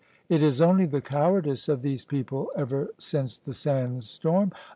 It is only the cowardice of these people ever since the sand storm.